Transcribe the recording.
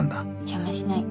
邪魔しない。